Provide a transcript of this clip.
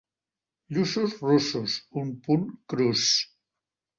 Lluços russos, un punt crus.